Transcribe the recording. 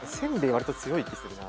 わりと強い気するな。